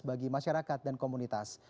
bagi masyarakat dan komunitas